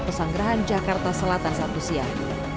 pesanggerahan jakarta selatan sabtu siang